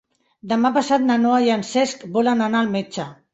Demà passat na Noa i en Cesc volen anar al metge.